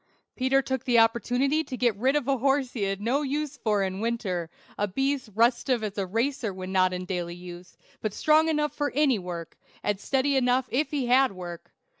Peter took the opportunity to get rid of a horse he had no use for in winter; a beast restive as a racer when not in daily use, but strong enough for any work, and steady enough if he had work.